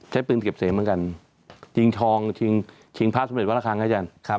ใช้ปืนเก็บเสียงเหมือนกันยิงทองยิงภาพสำเร็จวันละครั้งให้จันทร์